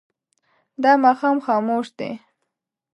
دا ماښام خاموش دی.